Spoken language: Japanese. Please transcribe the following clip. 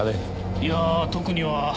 いや特には。